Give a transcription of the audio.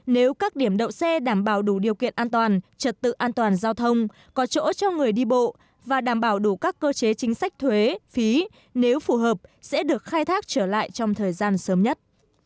nếu các điểm đậu xe đảm bảo đủ điều kiện an toàn trật tự an toàn giao thông có chỗ cho người đi bộ và đảm bảo đủ các cơ chế chính sách thuế phí nếu phù hợp sẽ được khai thác trở lại trong thời gian sớm nhất